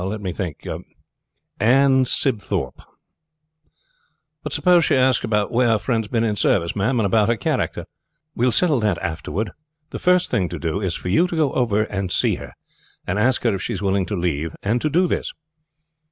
"Let me think. Ann Sibthorpe." "But suppose she asks about where her friend has been in service, ma'am, and about her character?" "We will settle that afterward. The first thing to do is for you to go over and see her, and ask her if she is willing to leave and do this."